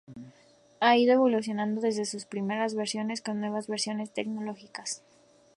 Ha ido evolucionando desde sus primeras versiones con nuevas versiones y tecnologías.